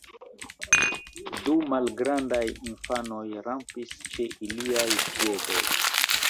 Du malgrandaj infanoj rampis ĉe iliaj piedoj.